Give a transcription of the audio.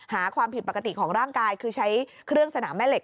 หาความผิดปกติของร่างกายคือใช้เครื่องสนามแม่เหล็